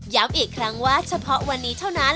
อีกครั้งว่าเฉพาะวันนี้เท่านั้น